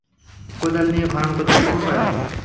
কোদাল নিয়ে খনন করতে শুরু করেন।